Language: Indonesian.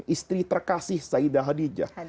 istri terkasih sayyidah khadijah